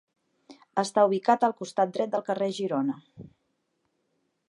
Està ubicat al costat dret del carrer Girona.